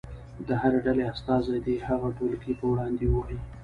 د هرې ډلې استازی دې هغه ټولګي په وړاندې ووایي.